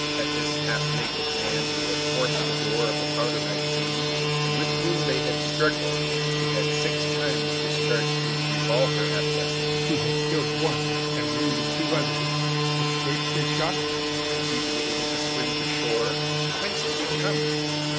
Had this half naked man, who had forced the door of the powder magazine, and with whom they had struggled, who had six times discharged his revolver at them, who had killed one and wounded two others, escaped their shot? Had he been able to swim to shore? Whence did he come?